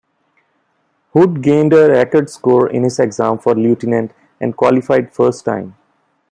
Hood gained a record score in his exam for lieutenant, and qualified first time.